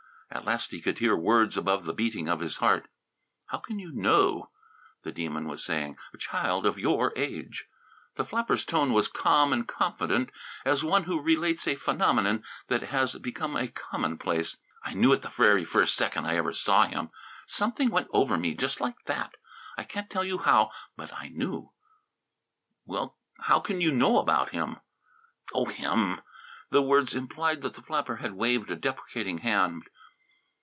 At last he could hear words above the beating of his heart. "How can you know?" the Demon was saying. "A child of your age?" The flapper's tone was calm and confident as one who relates a phenomenon that has become a commonplace. "I knew it the very first second I ever saw him something went over me just like that I can't tell how, but I knew." "Well, how can you know about him?" "Oh, him!" The words implied that the flapper had waved a deprecating hand.